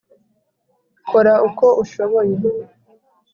kora uko ushoboye